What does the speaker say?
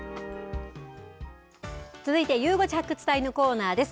続いてゆう５時発掘隊のコーナーです。